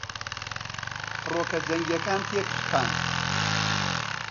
فڕۆکە جەنگیەکان تێکشکان